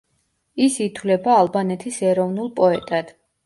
ის ითვლება ალბანეთის ეროვნულ პოეტად.